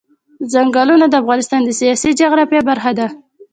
ځنګلونه د افغانستان د سیاسي جغرافیه برخه ده.